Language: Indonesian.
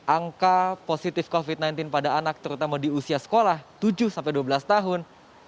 angka positif covid sembilan belas pada anak terutama di usia sekolah tujuh dua belas tahun